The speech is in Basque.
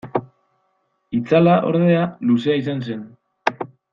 Itzala, ordea, luzea izan zen.